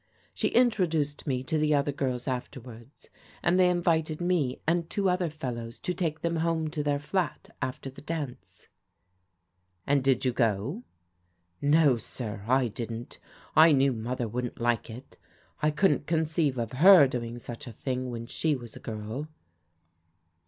She introduced me to the other girls afterwards, and they invited me and two other fellows to take them home to their flat after the dance." "And did you go?" " No, sir. I didn't I knew Mother wouldn't like it I couldn't conceive of her doing such a thing when she was a girl."